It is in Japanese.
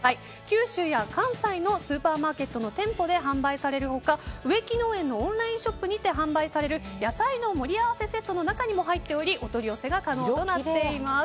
九州や関西のスーパーマーケットの店舗で販売される他、植木農園のオンラインショップにて販売される野菜の盛り合わせセットの中にも入っておりお取り寄せが可能となっています。